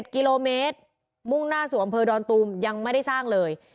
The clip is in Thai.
๗กิโลเมตรมุ่งหน้าสู่อำเภอดอนตูมยังไม่ได้สร้างเลย